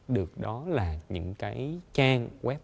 được đó là những cái trang web